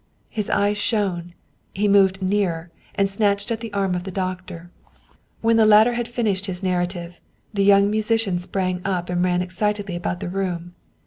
His eyes shone, he moved nearer, and snatched at the arm of the doctor. When the latter had finished his narrative, the young musician sprang up and ran excitedly about the room.